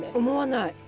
思わない。